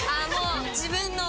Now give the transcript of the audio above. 自分の。